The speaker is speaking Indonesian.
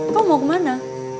kau mau kemana